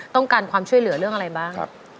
ต้องการความช่วยเหลือเรื่องอะไรบ้าง